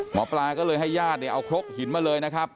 หมอปลาก็เลยให้ญาติเนี่ยเอาครกหินมาเลยนะครับ